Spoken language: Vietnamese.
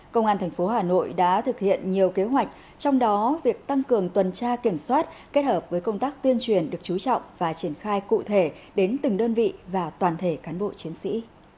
công an thành phố hà nội đã thực hiện nhiều kế hoạch trong đó việc tăng cường tuần tra kiểm soát kết hợp với công tác tuyên truyền được chú trọng và triển khai cụ thể đến từng đơn vị và toàn thể cán bộ chiến sĩ